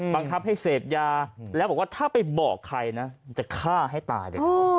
บังคับให้เสพยาแล้วบอกว่าถ้าไปบอกใครนะจะฆ่าให้ตายเลย